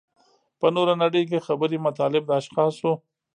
په نوره نړۍ کې خبري مطالب د اشخاصو.